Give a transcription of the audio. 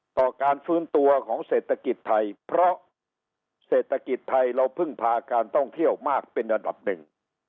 ต่อการฟื้นตัวของเศรษฐกิจไทยเพราะเศรษฐกิจไทยเราพึ่งพาการท่องเที่ยวมากเป็นระดับหนึ่ง